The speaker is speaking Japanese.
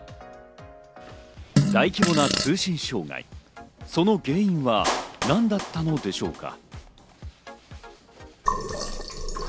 大規模な通信障害、その原因は何だったのでしょうか？